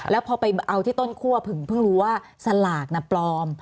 แล้วพอไปเอาที่ต้นคั่วถึงเพิ่งรู้ว่าสลากน่ะปลอม